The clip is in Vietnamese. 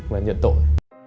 và nhận tội